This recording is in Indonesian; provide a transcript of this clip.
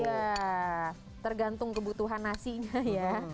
ya tergantung kebutuhan nasinya ya